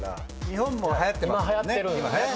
日本もはやってますもん。